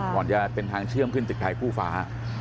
ก่อนจะเป็นทางเชื่อมขึ้นตึกไทยคู่ฟ้า